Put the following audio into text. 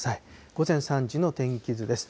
午前３時の天気図です。